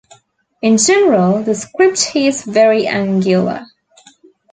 In general the script is very angular.